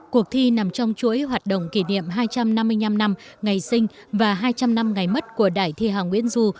cuộc thi nằm trong chuỗi hoạt động kỷ niệm hai trăm năm mươi năm năm ngày sinh và hai trăm linh năm ngày mất của đại thi hà nguyễn du